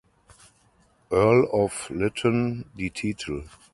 Earl of Lytton die Titel.